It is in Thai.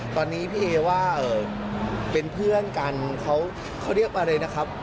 ตอนนี้พี่เอว่าเป็นเพื่อนกันเขาเรียกว่าอะไรนะครับ